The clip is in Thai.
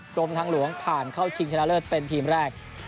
กรมทางหลวงผ่านเข้าชิงชนะเลิศเป็นทีมแรก